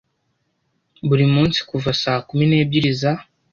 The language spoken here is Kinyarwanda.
buri munsi kuva saa kumi n’ebyiri za